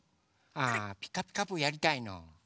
あ「ピカピカブ！」やりたいの？